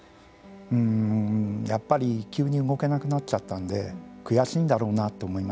うんやっぱり急に動けなくなっちゃったんで悔しいんだろうなと思いました。